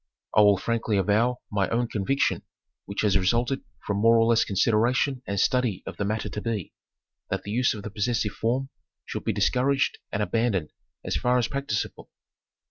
I will frankly avow my own conviction which has resulted from more or less consideration and study of the matter to be, that the use of the possessive form should be discouraged and abandoned as far as practicable.